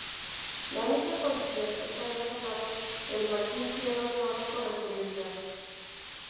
La única condición es haber ganado el Martín Fierro de Oro con anterioridad.